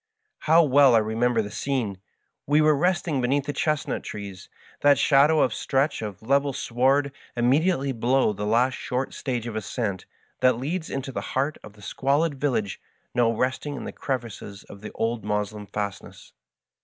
How well I remember the scene 1 We were resting beneath the chestnut trees that shadow a stretch of level sward immediately below the last short stage of ascent that leads into the heart of the squalid village now nestling in the crevices of the old Moslem fastness.